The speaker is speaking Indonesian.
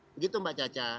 begitu mbak caca